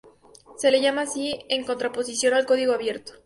Se le llama así en contraposición al código abierto.